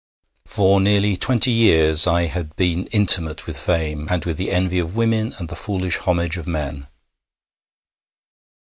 For nearly twenty years I had been intimate with fame, and with the envy of women and the foolish homage of men.